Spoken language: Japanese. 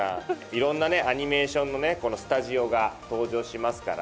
いろんなねアニメーションのねこのスタジオが登場しますから。